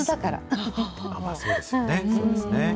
そうですね。